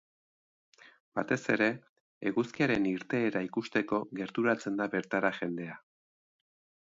Batez ere, eguzkiaren irteera ikusteko gerturatzen da bertara jendea.